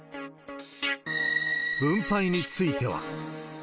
分配については。